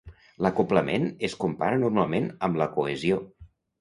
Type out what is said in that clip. L'acoblament es compara normalment amb la cohesió.